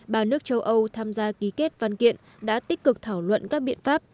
ba nước châu âu tham gia ký kết văn kiện đã tích cực thảo luận các biện pháp